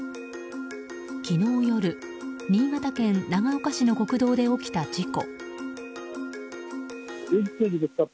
昨日夜、新潟県長岡市の国道で起きた事故。